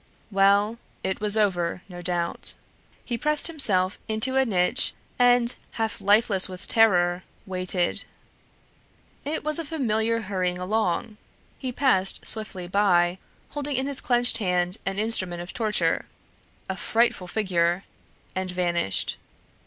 Well, it was over, no doubt. He pressed himself into a niche and, half lifeless with terror, waited. It was a familiar hurrying along. He passed swiftly by, holding in his clenched hand an instrument of torture a frightful figure and vanished.